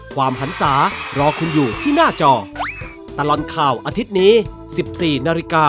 ความหันศารอคุณอยู่ที่หน้าจอตลอดข่าวอาทิตย์นี้๑๔นาฬิกา